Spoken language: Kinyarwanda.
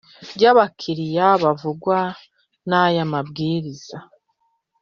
By abakiriya bavugwa n aya mabwiriza